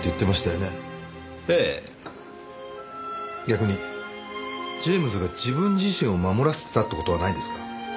逆にジェームズが自分自身を守らせてたって事はないですか？